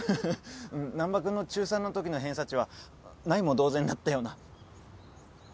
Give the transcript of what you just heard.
難破君の中３のときの偏差値はないも同然だったような。